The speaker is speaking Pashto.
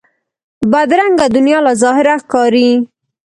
بدرنګه دنیا له ظاهره ښکاري